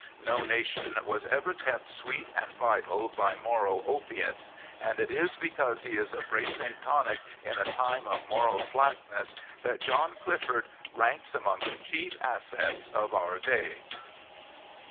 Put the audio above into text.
No nation was ever kept sweet and vital by moral opiates, and it is because he is a b mc ing tonic in a time of moral slackness that John Clinord ranks among the chief assets of our day.